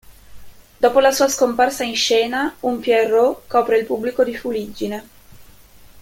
Dopo la sua scomparsa in scena, un pierrot copre il pubblico di fuliggine.